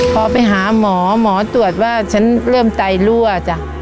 พอไปหาหมอหมอตรวจว่าฉันเริ่มไตรั่วจ้ะ